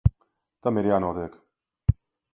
Tam ir jānotiek.